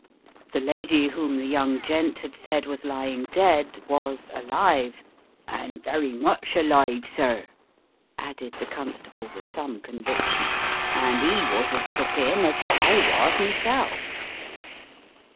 The lady whom the young gent had said was lying dead was alive, "and very much alive, sir!" added the constable with some conviction, "and 'e was as took in as wot I was meself